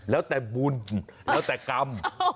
แล้วแต่กรรม